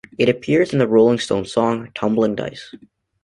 It also appears in the Rolling Stones' song "Tumbling Dice".